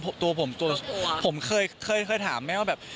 ไม่ชอบอยู่หน้ากล้อง